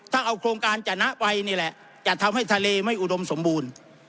ถ้าเอาโครงการจนะไปนี่แหละจะทำให้ทะเลไม่อุดมสมบูรณ์